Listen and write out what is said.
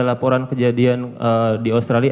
laporan kejadian di australia